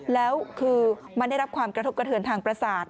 แล้วคือมันได้รับความกระทบกระเทือนทางประสาท